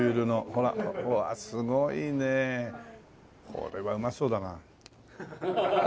これはうまそうだな。